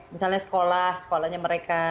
misalnya sekolah sekolahnya mereka